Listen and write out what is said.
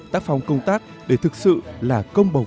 tác phong công tác để thực sự là công bầu